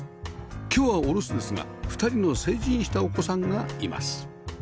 今日はお留守ですが２人の成人したお子さんがいます